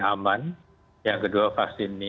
aman yang kedua vaksin ini